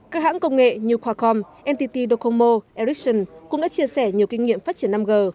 các hãng công nghệ như qualcomm ntt docomo ericsson cũng đã chia sẻ nhiều kinh nghiệm phát triển năm g